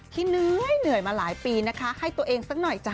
ที่เหนื่อยมาหลายปีนะคะให้ตัวเองสักหน่อยจ้ะ